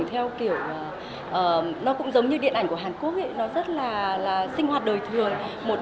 theo kiểu nó cũng giống như điện ảnh của hàn quốc nó rất là sinh hoạt đời thường